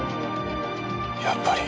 やっぱり。